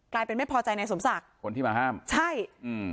กลายเป็นไม่พอใจนายสมศักดิ์คนที่มาห้ามใช่อืม